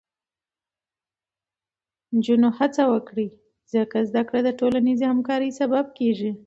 نجونې هڅه وکړي، ځکه زده کړه د ټولنیزې همکارۍ سبب کېږي.